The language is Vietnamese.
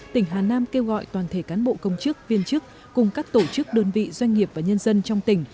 tỉnh hà nam kêu gọi toàn thể cán bộ công chức viên chức cùng các tổ chức đơn vị doanh nghiệp và nhân dân trong tỉnh